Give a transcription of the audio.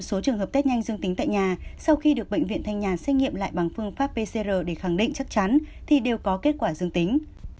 số trường hợp test nhanh dương tính tại nhà sau khi được bệnh viện thanh nhàn xét nghiệm lại bằng phương pháp pcr để khẳng định chắc chắn thì đều có kết quả dương tính